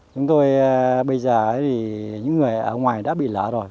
chúng tôi bây giờ thì những người ở ngoài đã bị lở rồi